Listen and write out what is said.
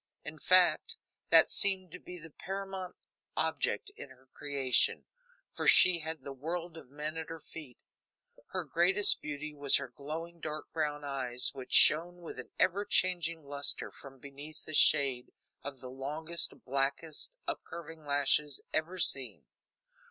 In fact, that seemed to be the paramount object in her creation, for she had the world of men at her feet. Her greatest beauty was her glowing dark brown eyes, which shone with an ever changing luster from beneath the shade of the longest, blackest upcurving lashes ever seen.